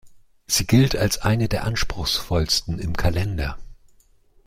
Sie gilt als eine der anspruchsvollsten im Kalender.